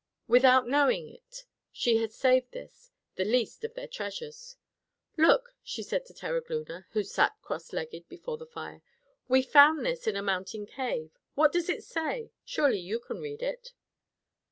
Without knowing it, she had saved this, the least of their treasures. "Look!" she said to Terogloona, who sat cross legged before the fire, "we found this in a mountain cave. What does it say? Surely you can read it."